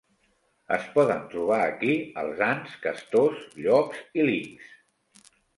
Es poden trobar aquí els ants, castors, llops i linxs.